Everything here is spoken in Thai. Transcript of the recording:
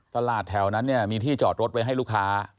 ตลาดแถวนั้นเนี่ยมีที่จอดรถไว้ให้ลูกค้า